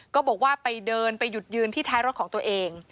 ก็บอกว่าไปเดินไปหยุดยืนที่ท้ายรถของตัวเอง